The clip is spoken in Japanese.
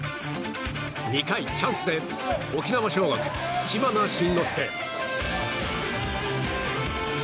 ２回、チャンスで沖縄尚学、知花慎之助。